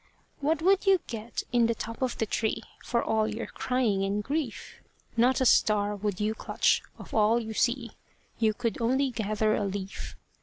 What would you get in the top of the tree For all your crying and grief? Not a star would you clutch of all you see You could only gather a leaf.